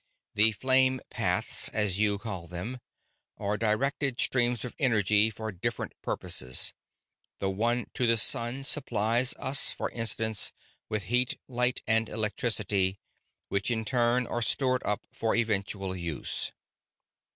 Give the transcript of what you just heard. The flame paths, as you call them, are directed streams of energy for different purposes: the one to the sun supplies us, for instance, with heat, light, and electricity, which in turn are stored up for eventual use.